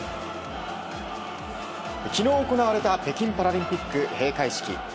昨日行われた北京パラリンピック閉会式。